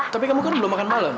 tapi kamu kan belum makan malam